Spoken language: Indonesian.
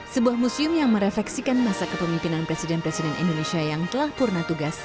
sebuah museum yang merefleksikan masa kepemimpinan presiden presiden indonesia yang telah purna tugas